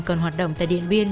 còn hoạt động tại điện biên